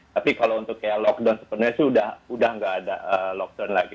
tapi kalau untuk lockdown sebenarnya sudah nggak ada lockdown lagi